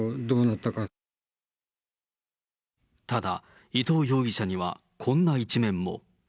ただ、伊藤容疑者にはこんな一面も。